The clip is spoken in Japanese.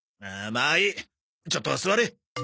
まあいいちょっと座れ。